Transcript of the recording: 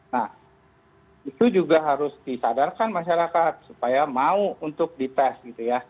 nah itu juga harus disadarkan masyarakat supaya mau untuk dites gitu ya